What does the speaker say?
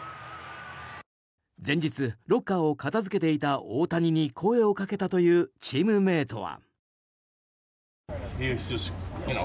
前日、ロッカーを片付けていた大谷に声をかけたというチームメートは。